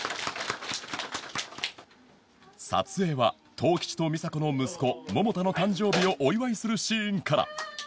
撮影は十吉と美沙子の息子百太の誕生日をお祝いするシーンから